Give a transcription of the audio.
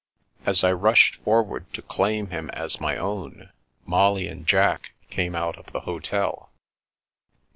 As I rushed forward to claim him as my own, Molly and Jack came out of the hotel.